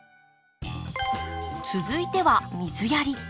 続いては水やり。